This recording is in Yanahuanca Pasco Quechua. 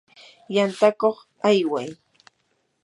yantakuq ayway.